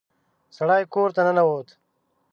سړی کور ته ننوت.